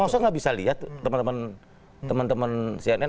masa gak bisa lihat teman teman cnn